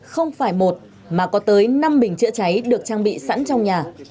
không phải một mà có tới năm bình chữa cháy được trang bị sẵn trong nhà